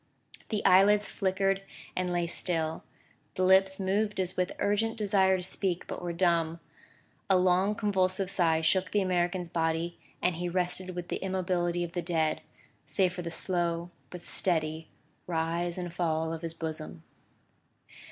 The eyelids flickered and lay still; the lips moved as if with urgent desire to speak, but were dumb; a long convulsive sigh shook the American's body; and he rested with the immobility of the dead, save for the slow but steady rise and fall of his bosom.